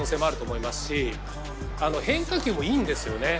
いし変化球もいいんですよね。